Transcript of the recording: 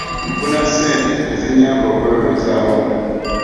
Nfuna ssente ezinnyamba okwebezawo.